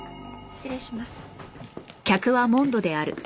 失礼します。